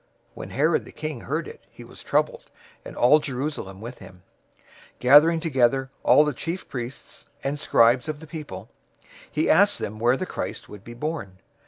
002:003 When Herod the king heard it, he was troubled, and all Jerusalem with him. 002:004 Gathering together all the chief priests and scribes of the people, he asked them where the Christ would be born.